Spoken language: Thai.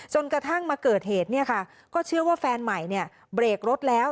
จนกระทั่งมาเกิดเหตุก็เชื่อว่าแฟนใหม่เบรกรถแล้ว